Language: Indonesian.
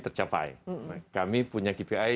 tercapai kami punya kpi